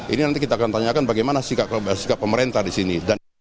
ini nanti kita akan tanyakan bagaimana sikap pemerintah di sini